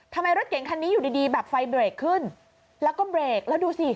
รถเก่งคันนี้อยู่ดีดีแบบไฟเบรกขึ้นแล้วก็เบรกแล้วดูสิ